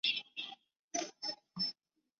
阿吉曼和哈伊马角的麦加利地震烈度为。